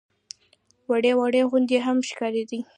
وړې وړې غونډۍ هم ښکارېدې.